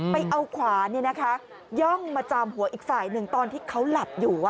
ไปเอาขวานย่องมาจามหัวอีกฝ่ายหนึ่งตอนที่เขาหลับอยู่